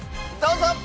どうぞ！